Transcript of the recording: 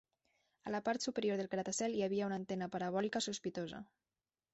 A la part superior del gratacel hi havia una antena parabòlica sospitosa.